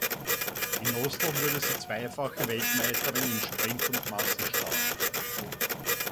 In Oslo wurde sie zweifache Weltmeisterin in Sprint und Massenstart.